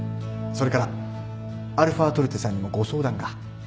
それからαトルテさんにもご相談が。